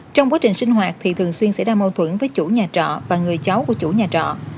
trong quá trình sinh hoạt thì thường xuyên xảy ra mâu thuẫn với chủ nhà trọ và người cháu của chủ nhà trọ